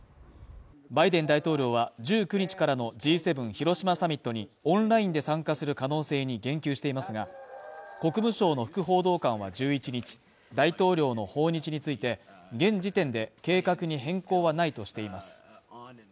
バイデン大統領は１９日からのＧ７広島サミットにオンラインで参加する可能性に言及していますが、国務省の副報道官は１１日、大統領の訪日について、現時点で計画に変更はないとしています。